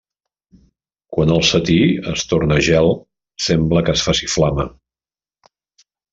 Quan el setí es torna gel, sembla que es faci flama.